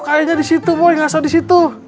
kayaknya di situ boy nggak usah di situ